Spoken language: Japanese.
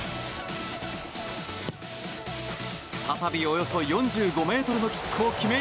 再びおよそ４５ｍのキックを決め